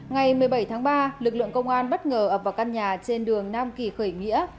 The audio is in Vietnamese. ngày một mươi bảy tháng ba lực lượng công an bất ngờ ập vào căn nhà trên đường nam kỳ khởi nghĩa